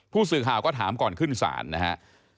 ผู้สื่อข่าวก็ถามก่อนขึ้นศาลนะครับ